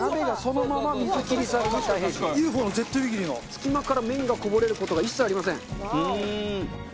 隙間から麺がこぼれる事が一切ありません。